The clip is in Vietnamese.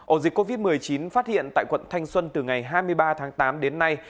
ổ dịch covid một mươi chín phát hiện tại quận thanh xuân từ ngày hai mươi ba tháng tám đến nay